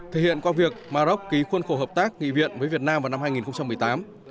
thể hiện qua việc maroc ký khuôn khổ hợp tác nghị viện với việt nam vào năm hai nghìn một mươi tám